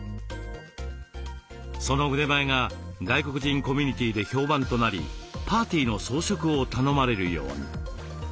その腕前が外国人コミュニティーで評判となりパーティーの装飾を頼まれるように。